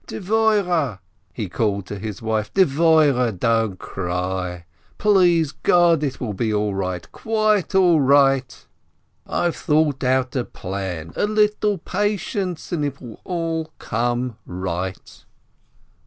"Dvoireh !" he called to his wife, "Dvoireh, don't cry ! Please God, it will be all right, quite all right. I've 22 BRAUDES thought out a plan. .. A little patience, and it will all come right